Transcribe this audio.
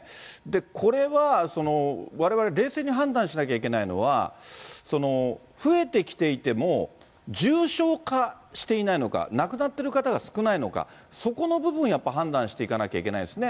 これはわれわれ、冷静に判断しないといけないのは、増えてきていても、重症化していないのか、亡くなってる方が少ないのか、そこの部分、やっぱり判断していかなきゃいけないですね。